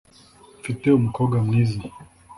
mfite umukobwa mwiza